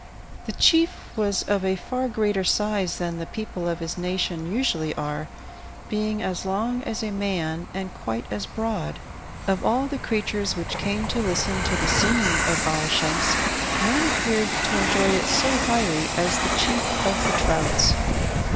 The chief was of a far greater size than the people of his nation usually are, being as long as a man and quite as broad. Of all the creatures which came to listen to the singing of Awashanks none appeared to enjoy it so highly as the chief of the trouts.